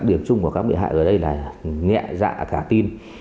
điểm chung của các bị hại ở đây là nhẹ dạ cả tin